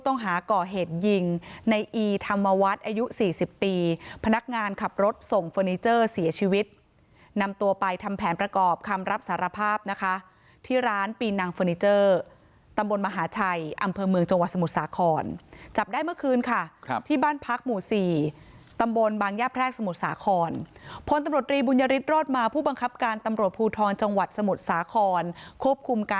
นักงานขับรถส่งเฟอร์นิเจอร์เสียชีวิตนำตัวไปทำแผนประกอบคำรับสารภาพที่ร้านปีนนังเฟอร์นิเจอร์ตมหาชัยอำเภอเมืองจสมตรสาครจับได้เมื่อคืนค่ะที่บ้านพลแปลกทรงพธิบุญภาคหมู่๔ตำบลบางแยพแระกสมธภาครฟนตำรสหรี่บุญชฎรอดมาผู้บังคับการตำรวจภูทองจสมศา